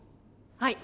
はい。